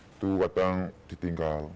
itu kadang ditinggal